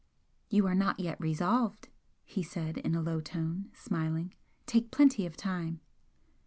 "You are not yet resolved!" he said, in a low tone, smiling "Take plenty of time!"